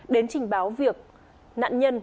đến trình báo việc nạn nhân